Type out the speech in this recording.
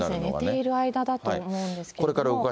寝ている間だと思うんですけれども。